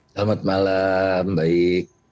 selamat malam baik